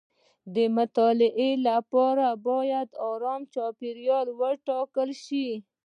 د مطالعې لپاره باید ارام چاپیریال وټاکل شي.